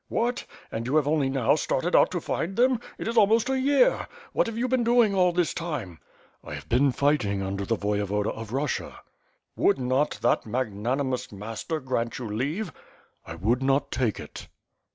"What! and you have only now started out to find them? It is almost a year! What have you been doing all this time?" "I have been fighting under tne Voyevoda of Russia." "Would not that magnanimous master grant you leave?" '1 would not take it."